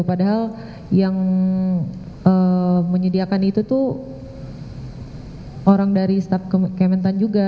padahal yang menyediakan itu tuh orang dari staf kementan juga